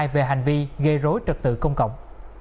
về hành vi gây rối trật tự công cộng